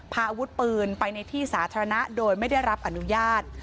พาอาวุธปืนไปในที่สาธารณะโดยไม่ได้รับอนุญาต